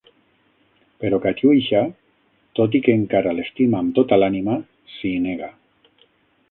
Però Katiuixa, tot i que encara l'estima amb tota l'ànima, s'hi nega.